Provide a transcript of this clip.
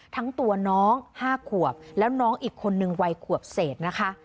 ทั้งตัวน้อง๕ขวบแล้วน้องอีกคนนึงวัยขวบเศษนะคะ